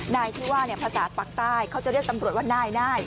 นายที่ว่าภาษาปากใต้เขาจะเรียกตำรวจว่านาย